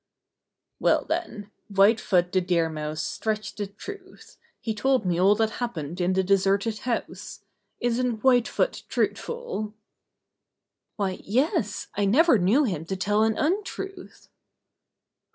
"Well, then. White Foot the Deer Mouse stretched the truth. He told me all that hap pened in the deserted house. Isn't White Foot truthful?" "Why, yes, I never knew him to tell an un truth."